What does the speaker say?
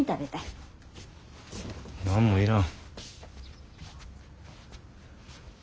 何も要らん。